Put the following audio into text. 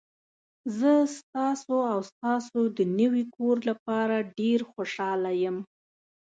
زه ستاسو او ستاسو د نوي کور لپاره ډیر خوشحاله یم.